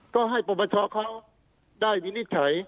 ก็ให้ประบัชชาติเขาได้วินิจฉัย